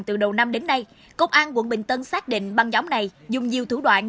từ đầu năm đến nay công an quận bình tân xác định băng nhóm này dùng nhiều thủ đoạn